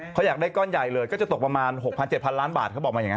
เขาอยากได้ก้อนใหญ่เลยก็จะตกประมาณ๖๐๐๗๐๐ล้านบาทเขาบอกมาอย่างนั้น